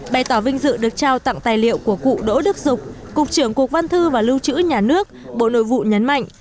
bày tỏ vinh dự được trao tặng tài liệu của cụ đỗ đức dục cục trưởng cục văn thư và lưu trữ nhà nước bộ nội vụ nhấn mạnh